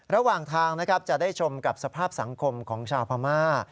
ระหว่างทางนะครับจะได้ชมกับสภาพสังคมของชาวพม่า